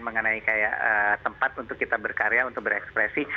mengenai kayak tempat untuk kita berkarya untuk berekspresi